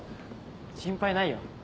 心配ないよ